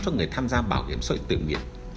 cho người tham gia bảo hiểm xã hội tự nguyện